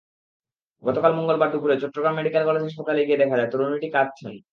গতকাল মঙ্গলবার দুপুরে চট্টগ্রাম মেডিকেল কলেজ হাসপাতালে গিয়ে দেখা যায়, তরুণীটি কাঁদছেন।